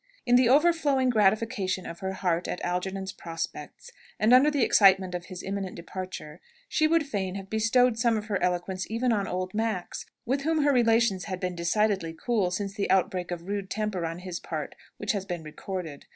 In the overflowing gratification of her heart at Algernon's prospects, and under the excitement of his imminent departure, she would fain have bestowed some of her eloquence even on old Max, with whom her relations had been decidedly cool, since the outbreak of rude temper on his part which has been recorded.